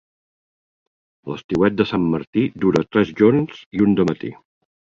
L'estiuet de Sant Martí dura tres jorns i un dematí.